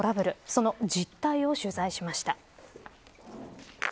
その実態を取材しました。